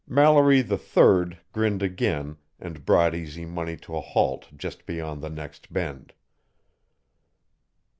Mallory III grinned again and brought Easy Money to a halt just beyond the next bend.